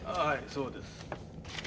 はいそうです。